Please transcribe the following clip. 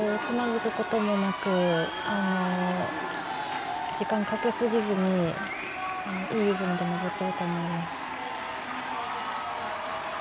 つまずくこともなく時間をかけすぎずにいいリズムで登りきれたらなと思います。